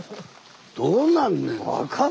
どうなんねん。